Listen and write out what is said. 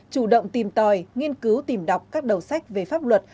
chủ động tìm tòi nghiên cứu tìm đọc các đầu sách về pháp luật